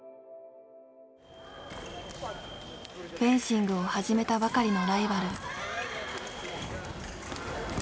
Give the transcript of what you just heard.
フェンシングを始めたばかりのライバル。